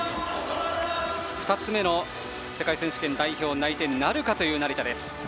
２つ目の世界選手権代表内定なるかという成田。